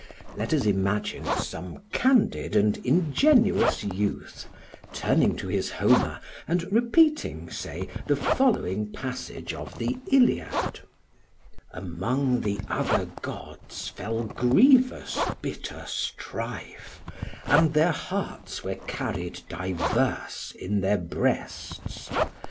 Let us imagine some candid and ingenuous youth, turning to his Homer and repeating, say, the following passage of the Iliad: "Among the other gods fell grievous bitter strife, and their hearts were carried diverse in their breasts.